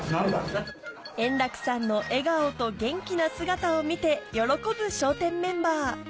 円楽さんの笑顔と元気な姿を見て喜ぶ笑点メンバー